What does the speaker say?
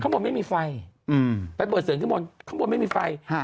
ข้างบนไม่มีไฟอืมไปเปิดเสริมขึ้นบนข้างบนไม่มีไฟฮะ